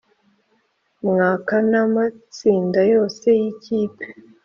mwaka na matsinda yose yikipe